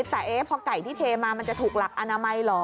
แต่พอไก่ที่เทมามันจะถูกหลักอนามัยเหรอ